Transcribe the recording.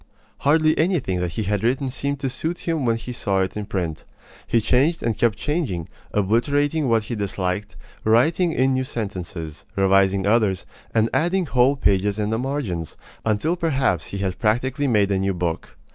Hardly anything that he had written seemed to suit him when he saw it in print. He changed and kept changing, obliterating what he disliked, writing in new sentences, revising others, and adding whole pages in the margins, until perhaps he had practically made a new book.